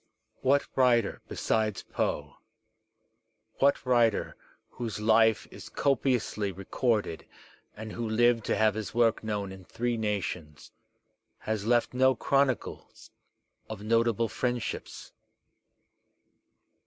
What writer besides Poe, what writer whose life is copi ously recorded and who lived to have his work known in three nations, has left no chronicles of notable friendships?